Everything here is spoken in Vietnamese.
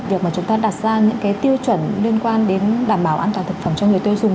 việc mà chúng ta đặt ra những cái tiêu chuẩn liên quan đến đảm bảo an toàn thực phẩm cho người tiêu dùng